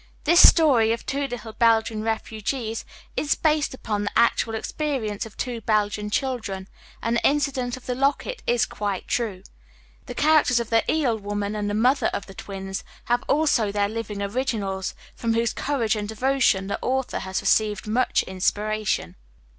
This story of two little Belgian refugees is based upon the actual experience of two Belgian children, and the incident of the locket is quite true. The characters of the eel woman and the mother of the Twins have also their living originals, from whose courage and devotion the author has received much inspiration.